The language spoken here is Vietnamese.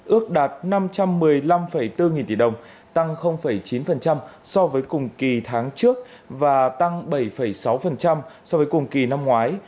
ước đạt năm trăm một mươi năm bốn nghìn tỷ đồng tăng chín so với cùng kỳ tháng trước và tăng bảy sáu so với cùng kỳ năm ngoái